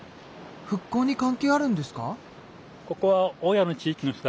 復興に関係あるんですか？